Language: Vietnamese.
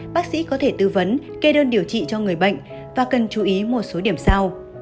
bác sĩ có thể tư vấn kê đơn điều trị cho người bệnh và cần chú ý một số điểm sau